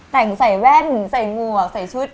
แต่งใส่แว่นใส่หมวกใส่ชุด